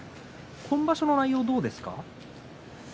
今場所の内容はいかがですか？